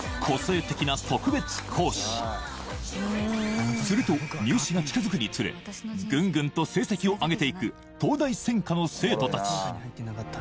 個性的な特別講師すると入試が近づくにつれぐんぐんと成績を上げていく東大専科の生徒達